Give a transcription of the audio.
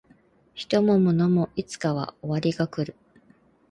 人も物もいつかは終わりが来る